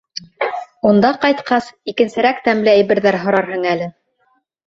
— Унда ҡайтҡас, икенсерәк тәмле әйберҙәр һорарһың әле.